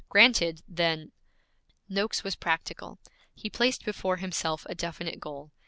Granted then ' Noakes was practical. He placed before himself a definite goal.